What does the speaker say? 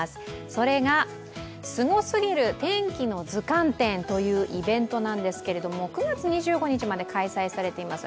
それが「すごすぎる天気の図鑑展」というイベントなんですけど９月２５日まで開催されています。